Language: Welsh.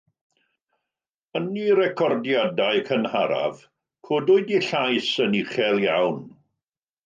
Yn ei recordiadau cynharaf, codwyd ei llais yn uchel iawn.